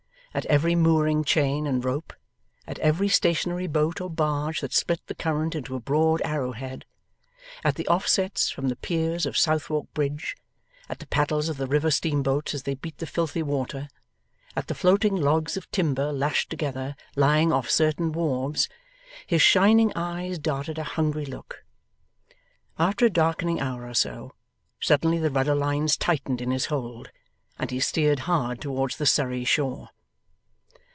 At every mooring chain and rope, at every stationery boat or barge that split the current into a broad arrowhead, at the offsets from the piers of Southwark Bridge, at the paddles of the river steamboats as they beat the filthy water, at the floating logs of timber lashed together lying off certain wharves, his shining eyes darted a hungry look. After a darkening hour or so, suddenly the rudder lines tightened in his hold, and he steered hard towards the Surrey shore.